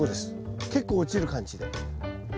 結構落ちる感じで。